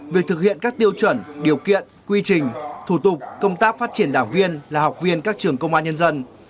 về thực hiện các tiêu chuẩn điều kiện quy trình thủ tục công tác phát triển đảng viên là học viên các trường công an nhân dân